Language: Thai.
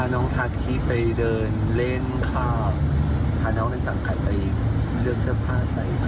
นี่แหละค่ะ